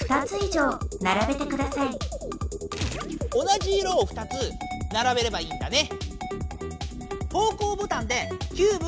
同じ色を２つならべればいいんだね。